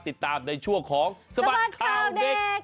ติดตามในช่วงของสบัดข่าวเด็ก